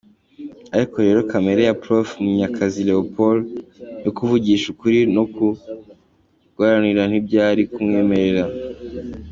Ariko rero kamere ya Prof Munyakazi Leopold yo kuvugisha ukuri no kuguharanira ntibyari kumwemerera.